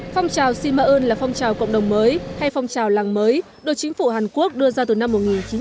phong trào si ma ơn là phong trào cộng đồng mới hay phong trào làng mới được chính phủ hàn quốc đưa ra từ năm một nghìn chín trăm chín mươi